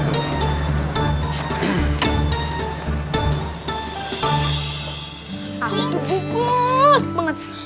aduh kus banget